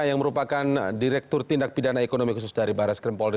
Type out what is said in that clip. yang merupakan direktur tindak pidana ekonomi khusus dari barat skrim polri